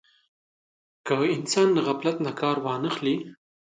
که انسان له غفلت نه کار وانه خلي.